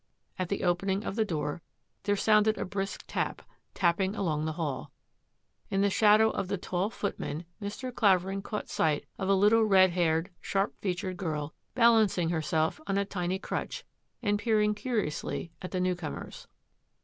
At the opening of the door there sounded a brisk tap, tapping along the hall. In the shadow of the tall foot man Mr. Clavering caught sight of a little red haired, sharp featured girl, balancing herself on a tiny crutch and peering curiously at the new comers.